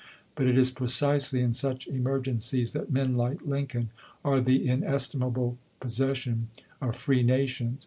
But it is precisely in such emergen cies that men like Lincoln are the inestimable possession of free nations.